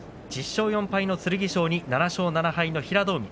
１０勝４敗の剣翔に７勝７敗の平戸海。